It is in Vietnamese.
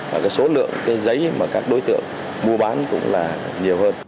và số lượng giấy mà các đối tượng mua bán cũng nhiều hơn